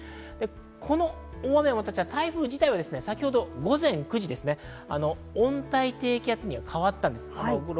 この大雨は台風自体は先ほど午前９時、温帯低気圧に変わったんです。